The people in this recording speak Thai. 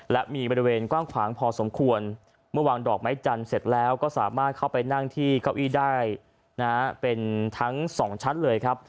และมีบริเวณกว้างขวางพอสมควรเมื่อวางดอกไม้จันทร์เสร็จแล้วก็สามารถเข้าไปนั่งที่เก้าอี้ได้นะฮะเป็นทั้งสองชั้นเลยครับ